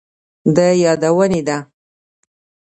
د يادونې ده،